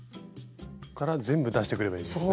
ここから全部出してくればいいんですね。